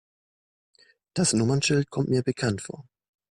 Das Nummernschild kommt mir bekannt vor.